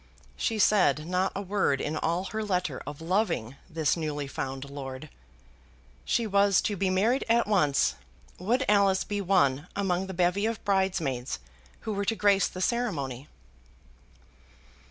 She said not a word in all her letter of loving this newly found lord. "She was to be married at once. Would Alice be one among the bevy of bridesmaids who were to grace the ceremony?"